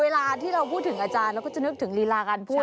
เวลาที่เราพูดถึงอาจารย์เราก็จะนึกถึงลีลาการพูด